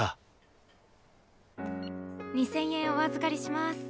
２，０００円お預かりします。